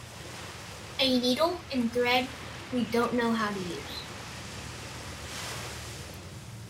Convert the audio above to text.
A needle and thread we don't know how to use.